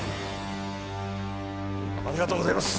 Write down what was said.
ありがとうございます。